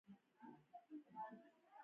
د وینې فشار ولې لوړیږي؟